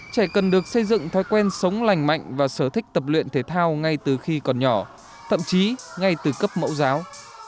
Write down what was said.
trẻ cần được xây dựng thói quen sống lành mạnh và sở thích tập luyện thể thao ngay từ khi còn nhỏ thậm chí ngay từ cấp mẫu giáo